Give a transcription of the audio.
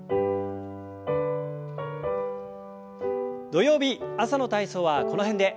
土曜日朝の体操はこの辺で。